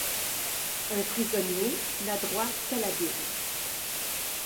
Un prisonnier n’a droit qu’à la bible.